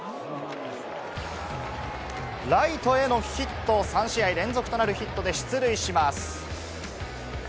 ライトへのヒット、３試合連続となるヒットで出塁します。